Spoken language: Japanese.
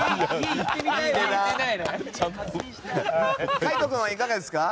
海渡君はいかがですか？